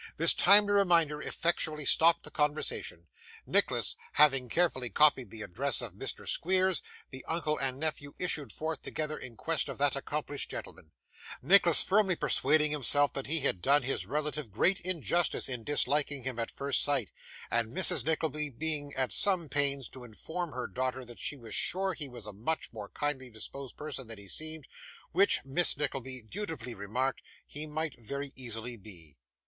This timely reminder effectually stopped the conversation. Nicholas, having carefully copied the address of Mr. Squeers, the uncle and nephew issued forth together in quest of that accomplished gentleman; Nicholas firmly persuading himself that he had done his relative great injustice in disliking him at first sight; and Mrs. Nickleby being at some pains to inform her daughter that she was sure he was a much more kindly disposed person than he seemed; which, Miss Nickleby dutifully remarked, he might very easily be.